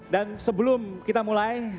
dan sebelum kita mulai